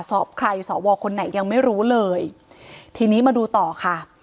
สอบใครสอวอคนไหนยังไม่รู้เลยทีนี้มาดูต่อค่ะ